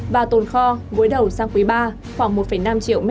và tồn kho gối đầu sang quý iii khoảng một năm triệu m ba